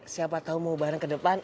siapa tahu mau bareng ke depan